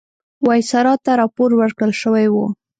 وایسرا ته راپور ورکړل شوی وو.